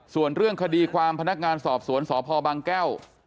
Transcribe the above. ส่วนเรื่องคดีความพนักงานสอบสวนสพบางแก้ว